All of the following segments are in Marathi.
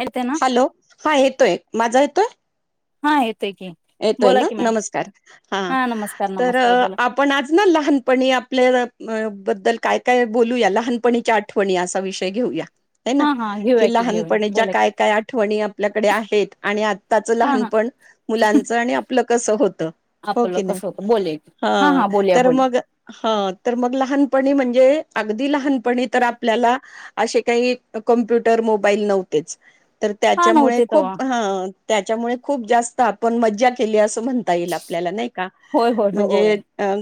येते ना हॅलो हा येतोय माझा येतोय हा य येतोय ना नमस्कार हा नमस्कार तर नमस्कार बोला आपण आज ना लहानपणी आपल्या बद्दल काय काय बोलू या लहानपणीच्या आठवणी असा विषय घेऊया ह ना हा हा घेऊया कि की घेऊया लहानपणीच्या बोला की काय काय आठवणी आपल्याकडे आहेत आणि आत्ताचं हा हा लहानपण मुलाचं आणि आपलं कसं होतं आपलं कसं होतं बोलूया की हा हा बोलूया बोलूया तर मग लहानपणी म्हणजे अगदी लहान तर आपल्याला असे काही कम्प्युटर मोबाईल नव्हतेच तर हा त्याच्यामुळे नव्हते तेव्हा खूप हा त्याच्यामुळे खूप जास्त आपण मजा केली अस म्हणता येइल आपल्या नाही का होय होय होय म्हणजे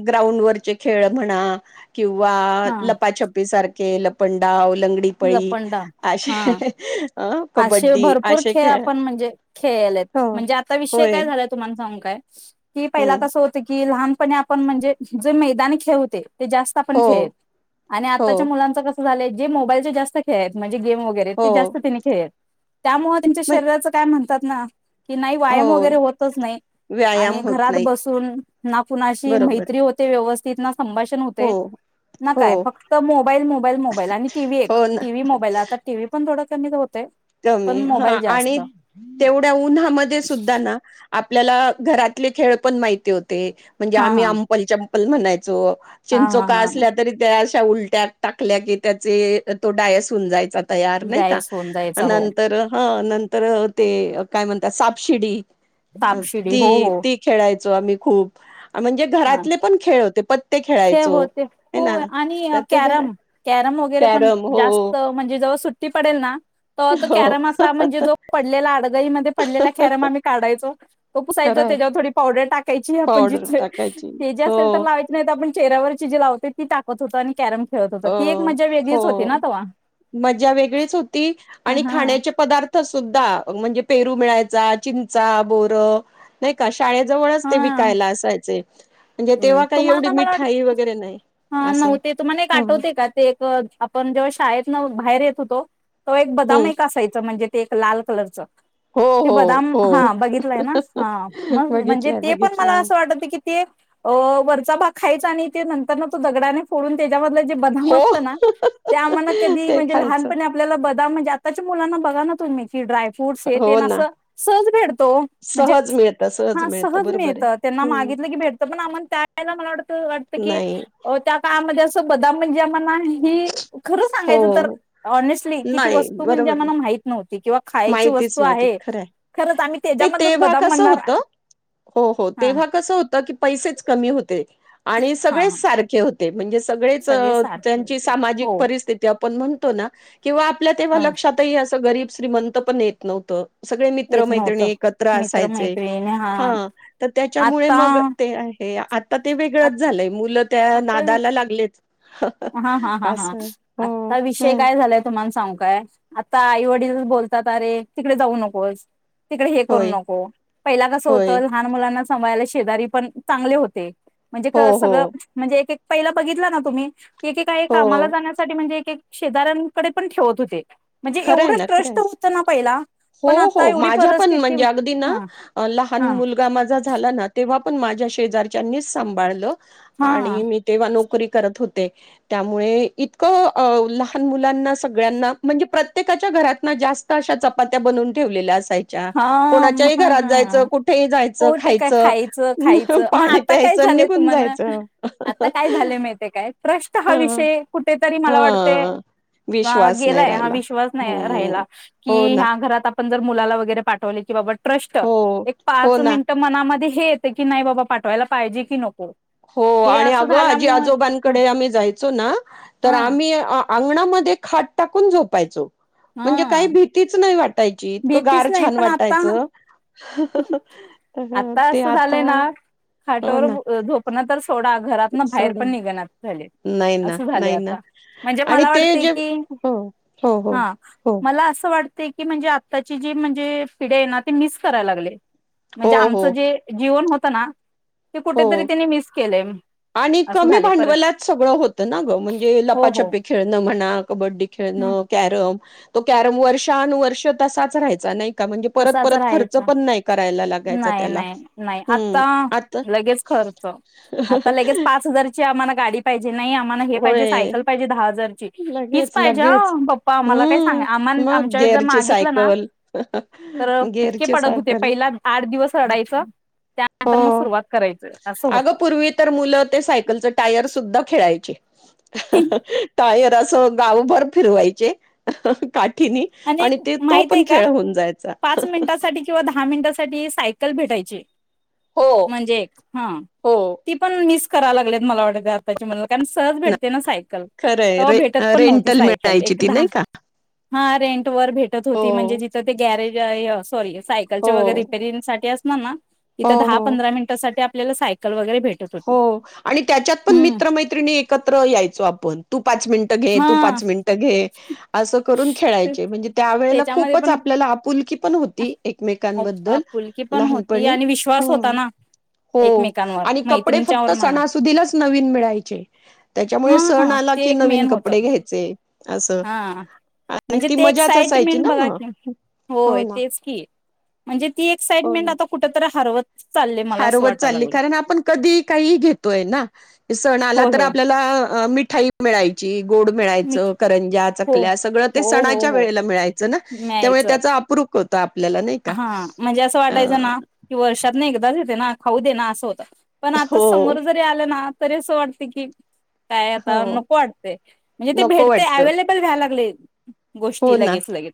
ग्राउंड वरचे खेळ म्हणा किंवा हा लपाछपी सारख के लपंडाव लंगडीपळी लपंडा असे हा अ असे कबड्डी भरपूर असे खेळ आपण म्हणजे हो खेळलेत म्हणजे आ विषय होय काय झाला तुम्हाला सांगु काय की पहिला हम्म कस होत की लहान आपण म्हणजे जे मैदान ठेवते ते जास्त आपण हो खेळ आणि हो आताच्या मुलांच कस झाले जे मोबाईल जास्त खेळ गेम वगैरे हो ते जास्तने खेळ त्यामुळेळ त्यांच्या म्हण शरीराचं काय म्हणत ात ना कि नाही हो व्यायाम वगैरे होतच नाही व्यायाम आणि होत घरात नाही बसून ना कुणाशी बरोबर मैत्री होते व्यवस्थ तिथनच. संभाषण हो होते ना हो काय फक्त मोबाईल मोबाईल मोबाईल आणि टी व्ही एक ह. हो ना टी व्ही मोबाईल आता टी व्हि पण थोडं त्यां [unintelligible] कमी हा आणि तेवढ्या उन्हामध्ये सुद्धा ना आप आपल्याला घरातले खेळ पण माहिती होत. ते म्हणजे हा आम्ही हा अंपंलचम ते. पण म्हणत. चोअ हा हा हा उलट्यात टाकल्या की त्याचे तो डायस होन जायचा च तयार नाही का? जायस होऊन जायचा हो नंतर हा नंतर ते काय म्हणतात साप शिडी. सापशिडी हो ती हो ती खेळायत. आम्ही खूप च म्हणजे घरातले पण खेळ होते. पत्ते हे खेळायचो होते हे हो ना आणि तर ते घरात कॅरम कॅरम वगैरे पण कॅरम हो जास्त म्हणजे जवळ सुट ती पडेल ना त त हो कॅरम असा म्हणजे जो पडलेला आडगळीमध्ये पडलेला कॅरम आम्ही काढायचो तो पुसायच खरंय त्याच्यावर थोडी पावडर टाकायची आपण पावडर जिथले टाकायची ते जे हो असेल तर लावायचे नाही आपण चेहऱ्यावरची जी लावायचो ती टाकत हो आणि कॅरम खे अ हो हो मज्जा वेगळीच होती आणि हा खाण्याचे पदार्थ सुद्धा म्हणजे पेरू मिळायचा चिंचा बोर नाही का? शाळेजवळच ते हा विकायला असायचे. म्हणजे तेव्हा काही एवढी तुम्हाला मला वाट मिठाई वगैरे नाही असं् तुम्हाला नव्हते का ते एक आपण जेव्हा शाळेत ना बाहेर येत होतो. तो एक बदाम हम्म एक असायचा म्हणजे ते एक लाल कलरचं हो ते हो बदाम हो हा बघितलंय ना हा मग म्हणजे बघितलंय ते पण मला बघितलंय असं वाटत की ते अ वरचा भाग खायचा आणि ते नंतर तो दगडाने फोडून त्याच त्यामधले ते बदाम हो असायचं न ते आम्हाला कधी ते म्हणजे खायचं लहानपणी आपल्याला बदाम म्हणजे आताच्या मुलांना बघा ना [unintelligible] ड्राय फ्रूट हो ना सहज भेटतो म्हणजे सहज मिळत हा सहज बरोबर मिळत आहे त्यांना हम्म मागितलं की भेट नाही त्या [inaudible] अस बदाम म्हणजे ही खरंच हो सांगायचं तर ऑनेस्टली किती नाही वस्तू म्हणजे बरोबर ना आम्हाला माहित नव्हती किंवा खायची माहितीच वस्तू नव्हती आहे खरंय. खरच आम्ही नाही त्याच्यामधच तेव्हा बदाम कसं म्हणणार होतं हो हो हा. तेव्हा कसं होतं की पैसेच कमी होते. आणि हा हा सगळेच सारखे होते. ते म्हणजे सगळेच. सगळे सारखे ची होते सामाजिक हो परिस्थिती आपन तो ना किंवा आपल्या तेव्हा हा लक्षातही असं गरीब श्रीमंत पण येत नव्हत. सगळे मित्र येत मैत्रिणी नव्हतं एकत्र असायचे मित्रमैत्रिणी हा तर त्याच्यामुळे आता मग ते आहे. आता ते वेगळंच झालंय मुलं. त्या आता वि नादाला लागलेत. हा ह हा हा असं हो आता विषय हम्म काय झालाय तुम सांगू काय आता आई वडीललाच बोलतात अरे तिकडे जाऊ नकोस. तिकडे हे करू होय नको पहिला कसं होय होतं लहान मुलांनाच समयला शेजारी पण चांगले होते. म्हणजे हो क हो सगळं म्हणजे एक एक पहिलं बघितला ना तुम्ही? एके काळी हो कामाला जाण्यासाठी म्हणजे एक एक शेजऱ्यांकडे पण ठेवत होते. म्हणजे खरंय एवढं ना ट्रस्ट खरंय होतं ना पहिला हो पण आता हो एवढी माझ्या पण परिस्थिती म्हणजे अगदी ना हा लहान हा मुलगा माझा झाला ना तेंव्हा पण माझ्या शेजारच्यांनीच सांभाळलं. हा आणि मी तेव्हा नोकरी करत होते त्यामुळे इतकं अ लहान मुलांना सगळ्यांना म्हणजे प्र प्रत्येकाच्या घरात ना जास्त अशा चपात्या बनवून ठेवलेल्या अस हा म हा हं हं ह कुठेही जायचं हो ते काय खायचं खायचं मग पाणी आता काय प्यायचं आणि झालंय निघून तुम्हाला जायचं आता काय झालंय माहितेय काय ट्रस्ट हा ह विषय कुठे तरी मला वाटतय हा विश्वास नाही गेलाय हा राहिला विश्वास नाही हम्म राह्यला की हो ना ह्या घरात अ पण मुला वगैरे पाठवले की बाबा ट्रस्ट हो, एक हो पाच ना. मिनट मनामध्ये हे येतय की नाय बाबा पाठवायला पाहिजे की नको? हो हे आणि असं अगं आजी झाल्यामुळे ह आजोबांकडे आम्ही जायचो ना तर ह आम्ही अं अंगणामध्ये खाट टाकून झोपायचो. म्हणजे काही ह भीतीच नाही वाटाय ची इतकं भीतीच गार नाही छान पण आता वाटायचं आता ते असं झालंय आता ना हो खाटावर ना झोप झोपणं तर सो [unintelligible] घरात ना बाहेर सोडा. पण निघणात धड नाही ना नाही ना आणि मला ते वाटते जे की हो हो हो हो. ते की म्हणजे आत आताची जी म्हणजे पिढीय हाय ना ते म्हणजे मिस करायला लागलेय. म्हणजे हो, आमचं हो, जे जीवन होतं तना हो आणि असं कमी झाले परत भांडवलात सगळं होत ना ग म्हणजे हो हो लपाछपी खेळण म्हणा कबड्डी खेळणं, कॅरम तो कॅरम वर्षानुवर्ष तसाच राहायचा नाही का म्हणजे परत तसाच परत खर्च राहायचा. पण नाही कराय नाही नाही नाही आता आता लगेच खर्च आता लगेच पाच हजारची आम्हाला गाडी पाहिजे नाही मला हे पाहिजे होय सायकल पाहिजे दहा हजारची हीच लगेच पाहिजे लगेच ह पप्पा आम्हाला काय सांगा हूं आम्हा मग आमच्या जर गेअरची मागितलं ना सायकल तर फटके गेअरची पडत होते सायकल पहिला आठ दिवस रडायचं हो त्यानंतर मग सुरुवात करायचय असं होत. अगं पूर्वी तर मुलं [inaudible] [inaudible] जरासं गावभर फिरवायचे काठीनी आणि एक ते तो माहित पण आहे का खेळ होऊन जायचा. ठी सायकल भेटायची हो म्हणजे हा हो. ती पण मीस करा लागल्यात मला वाटत आताच्या मुलाना कारण सहज भेटते ना सायकल खरंय तेव्हा रे भेटत पण नव्हती रेंटल सायकल मिळायची एक ती दहा नाही का? हा रे रेंट भेटत हो होती म्हणजे तिथं ते गॅरेज सॉरी सायकलचे हो. वगैरे रिपेरिंग साठी अस [unintelligible] हो तिथं दहा हो. पंधरा मिनिटासाठी आपल्याला सायकल वगैरे भेटत होती हो आणि त्याच्यात पण हम्म मित्रमैत्रिणी एकत्र यायचो आपण तू पाच मिनिट घे तू हा पाच मिनिटं घे असं करून खेळायचे म्हणजे त्या वेळेला त्याच्यामध्ये खूपच पण आपल्याला आपुलकी पण होती. एकमेकांबद्दल आपुलकी पण होती लहानपणी आणि विश्वास होता हम्म. ना हो एकमेकांवर आणि माहिती कपडे फक्त सणासुदीलाच नवीन मिळायचे त्याच्यामुळे सण हा आला ते की एक नवीन मेन होत कपडे घ्यायचे अस हा आणि म्हणजे ती ते मजाच असायची एक्साइटमेंट ना बघा म की हो होय ना. तेच की म्हणजे ती एक्साइटमेंट आता कुठंतरी हरवत चालले मला असं हारवत वाटायला चालली लागलं. कारण आपण कधी काही घेतोय ना सण आला होय तर होय. आपल्याला मिठाई मिळायची. गोड मी मिळायचं करंजा हो चकल्या सगळ ते हो हो सणाच्या हो वेळेला मिळायच. त्यावेळी न्यायचं त्याचे अप्रू कोता. हा म्हणजे असं वाटायचं ना की वर्षात नाही एकदाच येते ना खाऊ दे ना असं होत. पण आता हो समोर जरी आलं ना तरी असं वाटतं की काय हो आता नको वाटते म्हणजे ते नको भेटते वाटत अव्लेबल व्यायला लागले. हो गोष्टी ना लगेच लगेच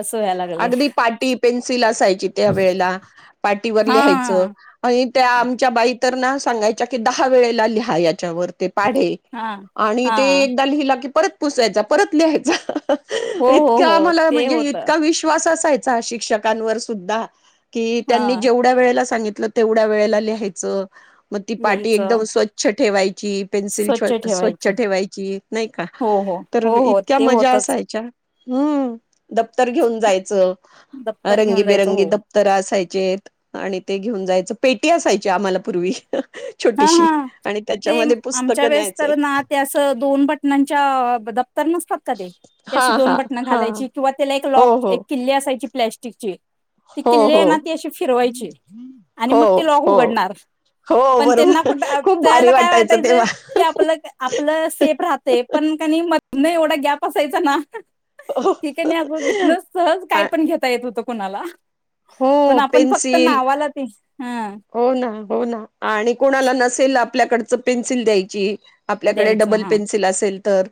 असं व्हाय लागले. ला असयची त्या वेळेला पाटीवर लिहायचं हा आणि त्या आमच्या बाई सांगायच्या की दहा वेळेला लिहा. च्या वर ते पाढे हा आणि ते हा एकदा लिहिलं की परत पुसायचा परत लिहायचा. हो हो हो इतका मला ते म्हणजे, होत इतका विश्वास असाय चा शिक्षकांवरसुद्धा की हा त्यांनी जेवढ्या वेळेला सांगित लं तेवढ्या वेळेला लिहायचं. मग ती पाटी यायचं एकदम स्वच्छ ठेवाय ची. पेन्सिल स्वच्छ स्वच्छ ठेवायची. ठेवायची, नाही का? हो हो तर, हो हो इतक्या ते मजा होतच असाय हम्म. दप्तर घेऊन जायचं, दप्तर घेऊन जायचं रंगीबेरंगी हो दप्तर असाय चेत आणि ते घेऊन जायचं. पेटी असायची आम्हाला पूर्वी हा छोटीशी हा आणि ते त्याच्यामध्ये आमच्या पुस्तकं वेळेस न्यायचे तर ना, ते असं दोन बटनांच्या दप्तर नसतात का ते? ती हा अशी दोन हा बटणं हा घालायची किंवा त्याला एक हो लॉक हो एक किल्ली असा यची प्लॅस्टिकची. ती हो किल्ली आहे ना, हो ती अशी फिरवायची आणि हो मग ती लॉक हो उघडणार. हो त्यांना बरोबर कुठ आ खूप भारी त्यावेळेला काय वाटायचं, तेव्हा की आपलं आपलं सेफ रहातंय. पण का नई म धनं एवढा गॅप असायचा ना हो की का नाही अगं तिथनच सहज आ कायपण घेता येत होतं. कुणाला? पण हो, आपण फक्त पेन्सिल नावाला ते हं हो ना, हो ना. आणि कोणाला नसेल आपल्याकड चं पेन्सिल द्यायची. आपल्याकडे द्यायचं डबल हा पेन्सिल असेल तर.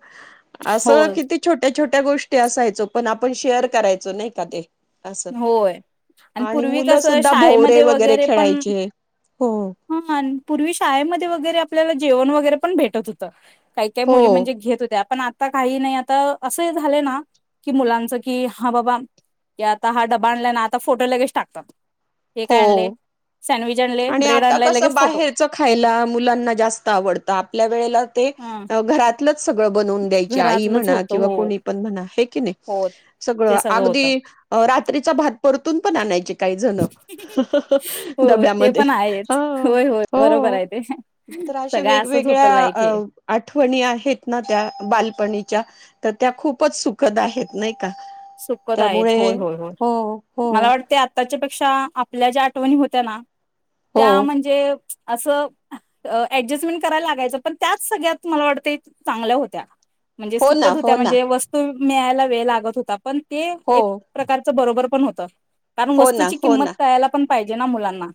हो असं किती छोट्या छोट् ट्या गोष्टी असायचो, पण आपण शेअर करायचो नाही का ते. असं होय. आणि पूर्वी कसं शाळेमध्ये वगैरे पण चे. हो. हा पूर्वी शाळेमध्ये वगैरे आपल्याला जेवण वगैरे पण भेटत हुतं. काही काही हो मुली म्हणजे घेत होत्या. पण आता काही नाही. आता असं झालंय ना, की मुलांच की हा बाबा की आता हा डबा आणलाय ना, आता फोटो लगेच टाकतात. हे काय हो आणले सँडविच आणले आणि ब्रेड आता आणलाय कस लगेच फोटो बाहेरच खायला मुलांना जास्त आवडतं आपल्या वेळेला ते हा घरातलंच सगळं बनवून द्यायची आई घरातलंच म्हणा होतं किंवा हो कोणी पण म्हणा हे की नाही हो ते सगळं होतं अगदी रात्रीचा भात परतून पण आणायचे काही जण हो ते डब्यामध्ये पण आहेच होय होय बरोबर हो आहे ते तर अशे सगळं असंच होतं वेगवेगळ्या लाईफ हे आठवणी आहेत ना त्या बालपणीच्या तर त्या खूपच सुखद आहेत नाही का सुखद आहेत त्यामुळे होय होय होय हो हो मला वाटते आताच्या पेक्षा आपल्या ज्या आठवणी होत्या ना हो त्या म्हणजे असं ऍडजेस्टमेंट करायला लागायचं पण त्याच सगळ्यात मला वाटतं चांगल्या होत्या म्हणजे हो ना सुखद होत्या हो ना म्हणजे वस्तू मिळायला वेळ लागत होता पण ते हो एक प्रकारच बरोबर पण होत तर कारण हो ना वस्तूची हो किंमत ना कळायला पण पाहिजे ना मुलांना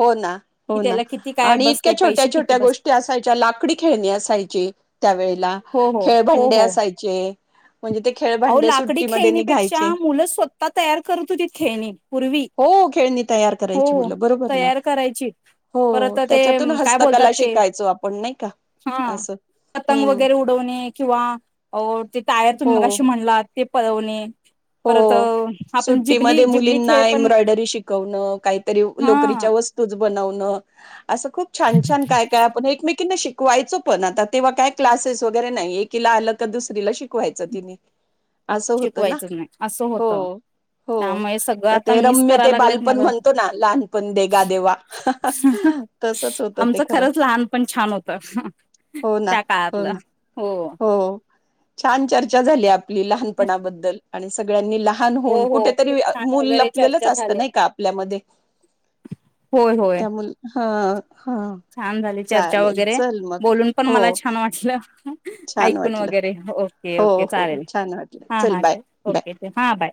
हो ना हो कि ना त्याला किती काय आणि इतक्या बसते छोट्या पैसे किती छोट्या बसते गोष्टी असायच्या लाकडी खेळणी असायची त्यावेेळेला हो हो हो खेळभंडे हो असायचे म्हणजे ते अहो खेळभांडे लाकडी सुट्टीमध्ये खेळणीपेक्षा निघायचे मुलं स्वतः तयार करत होतीत खेळणी हो खेळणी तयार हो करायची मुलं बरोबर ना तयार करायची हो परत ते त्याच्यातून काय बोलतात हस्तकला ते शिकायचो आपण नाही का हा असं पतंग हम् वगैरे उडवणे किंवा ओ ती ताया तून मगाशी लागते पळवणे परत हो आपण सुट्टीमध्ये जिबली जिबली मुलींना खेळ पण एम्ब्रॉयडरी शिकवण काहीतरी हा लोकरीच्या वस्तू बनवणं असं खूप छान छान काय काय आपण एकमेकींना किती शिकवायचो पण आता तेव्हा काय क्लासेस वगैरे नाही एकीला आलं तर दुसरीला शिकवायच तिने असं होतं ना शिकवायचंच नाही असं हो होतं हो त्यामुळे सगळं तर आता ते मिस रम्य करायला ते लागलेत बालपण मला म्हणतो ना लहानपण देगा देेवा तसच होत ते आमचं खरं खरंच लहानपण छान होतं हो ना त्या हो काळातलं ना हो छान चर्चा झाली आप पणाबद्दल आणि सगळ्यांनी ला लहान हो होन हो खूप कुठेतरी छान मूल वगैरे लपलेलंच चर्चा असत झाली नाही का आपल्यामध्ये होय होय त्या मु हां छान झाली चर्चा वगैरे मग बोलून पण मला हो छान वाटलं छान ऐकून वाटलं वगैरे ओके हो ओके हो चालेल छान वाटलं हा चल हा बाय बाय ओके हां बाय